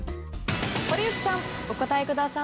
堀内さんお答えください。